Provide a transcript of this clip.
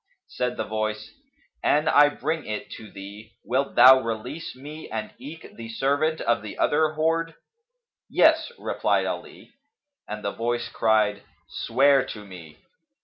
Said the Voice, "An I bring it to thee, wilt thou release me and eke the servant of the other hoard?" "Yes," replied Ali, and the Voice cried, "Swear to me."